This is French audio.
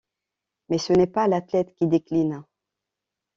Mais ce n'est pas l'athlète qui décline.